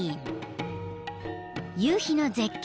［夕日の絶景